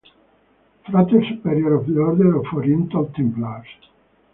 Frater Superior of the Order of Oriental Templars.